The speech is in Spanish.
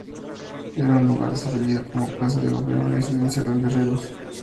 Era un lugar que servía como plaza de gobierno y residencia de los guerreros.